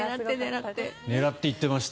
狙って行ってました。